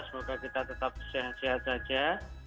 semoga kita tetap sehat sehat saja